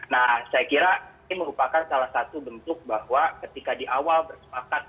nah saya kira ini merupakan salah satu bentuk bahwa ketika di awal bersepakat